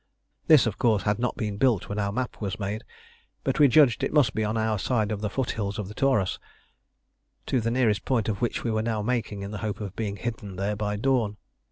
This, of course, had not been built when our map was made, but we judged it must be on our side of the foot hills of the Taurus, to the nearest point of which we were now making in the hope of being hidden there by dawn.